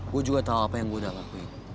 gua juga tau apa yang gua udah lakuin